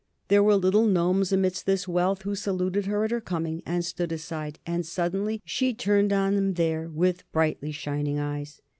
There were little gnomes amidst this wealth, who saluted her at her coming, and stood aside. And suddenly she turned on him there with brightly shining eyes.